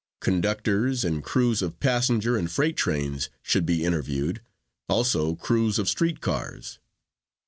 Conductors and crews of passenger and freight trains should be interviewed; also crews of street cars.